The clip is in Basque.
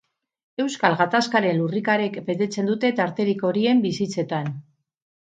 Euskal Gatazkaren lurrikarek betetzen dute tarterik horien bizitzetan.